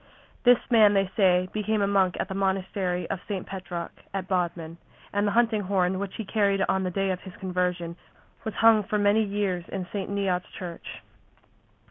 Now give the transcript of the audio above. This man, they say, became a monk at the monastery of St. Petroc at Bodmin, and the hunting horn which he carried on the day of his conversion was hung for many years in St. Neot's church.